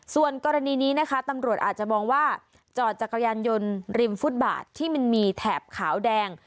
ส่วนกรณีนี้นะคะตำรวจอาจจะมองว่าจอดจักรยานยนต์ริมฟุตบาทที่มันมีแถบขาวแดง